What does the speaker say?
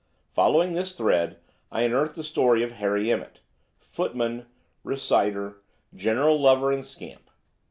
Following this thread, I unearthed the story of Harry Emmett–footman, reciter, general lover and scamp.